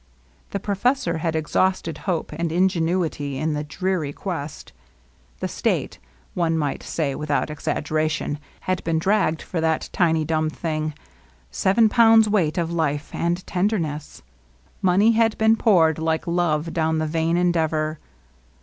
The professor had exhausted hope and ingenuity in the dreary quest. The State^ one might say without exaggeration^ had been dragged for that tiny dumb thing, — seven pounds' weight of life and tenderness. Money had been poured like love upon the vain endeavor.